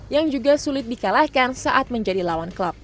yang juga sulit dikalahkan saat menjadi lawan klub